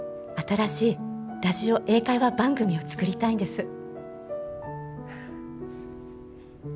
新しいラジオ英会話番組を作りたいんです。